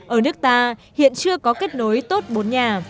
ở nước ta hiện chưa có kết nối tốt bốn nhà